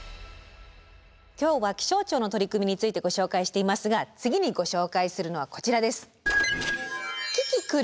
今日は気象庁の取り組みについてご紹介していますが次にご紹介するのはこちらです。